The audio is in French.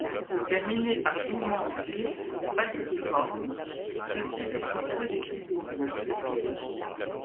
Terminés par d'immenses griffes falciformes, ceux-ci lui sont très utiles pour grimper.